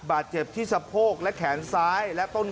ไม่ชนแรง